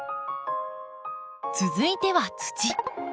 続いては土。